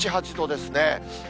７、８度ですね。